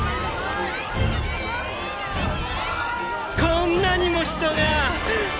こんなにも人がっ！